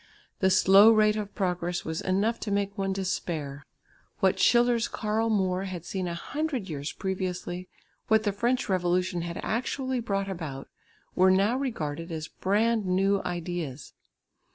The slow rate of progress was enough to make one despair. What Schiller's Karl Moor had seen a hundred years previously, what the French Revolution had actually brought about were now regarded as brand new ideas.